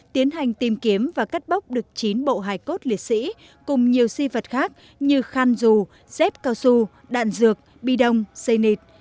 tiến hành tìm kiếm và cắt bóc được chín bộ hải cốt liệt sĩ cùng nhiều di vật khác như khăn rù dép cao su đạn dược bi đông xây nịt